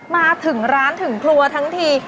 มาถึงร้านถึงครัวทั้งที